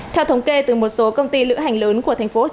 theo thống kê từ một số công ty lựa hành lượng